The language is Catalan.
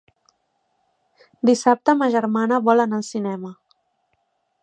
Dissabte ma germana vol anar al cinema.